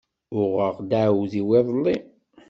Uɣeɣ-d aɛudiw iḍelli.